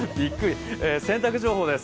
洗濯情報です。